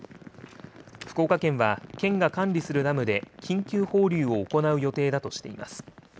福岡県は県が管理するダムで緊急放流を行う予定だとしています。